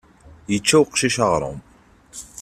Yečča uqcic aɣrum.